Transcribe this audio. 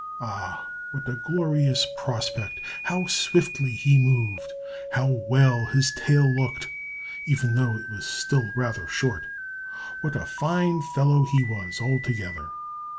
Ah, what a glorious prospect! How swiftly he moved! How well his tail looked, even though it was still rather short! What a fine fellow he was, altogether!